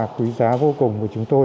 quý giá vô cùng của chúng tôi